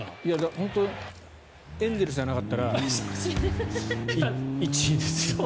本当エンゼルスじゃなかったら１位ですよ。